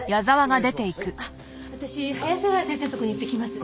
私早瀬川先生のところに行ってきます。